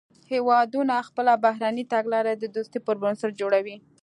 هیوادونه خپله بهرنۍ تګلاره د دوستۍ پر بنسټ جوړوي